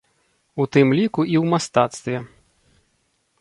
У тым ліку і ў мастацтве.